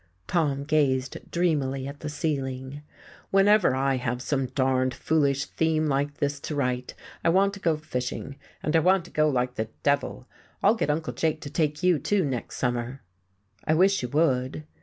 Tom gazed dreamily at the ceiling. "Whenever I have some darned foolish theme like this to write I want to go fishing, and I want to go like the devil. I'll get Uncle Jake to take you, too, next summer." "I wish you would."